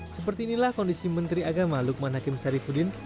seperti inilah kondisi menteri agama lukman hakim sarifudin